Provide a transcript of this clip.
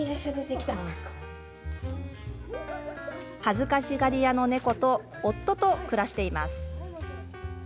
恥ずかしがり屋の猫と夫と暮らしています。